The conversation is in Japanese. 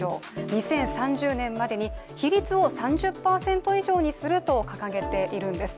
２０３０年までに比率を３０％以上にすると掲げているんです。